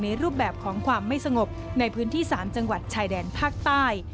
รูปแบบของความไม่สงบในพื้นที่๓จังหวัดชายแดนภาคใต้